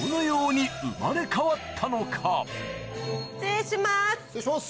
失礼します。